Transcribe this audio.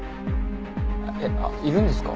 えっ？あっいるんですか？